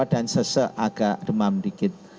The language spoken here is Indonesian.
dan sese agak demam dikit